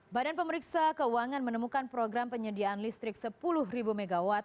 badan pemeriksa keuangan menemukan program penyediaan listrik sepuluh mw